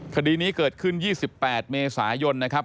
คดีนี้เกิดขึ้น๒๘เมษายนนะครับ